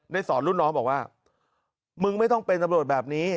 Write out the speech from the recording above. สอนรุ่นน้องบอกว่ามึงไม่ต้องเป็นตำรวจแบบนี้